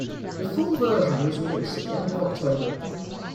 The full version was released at the end of October.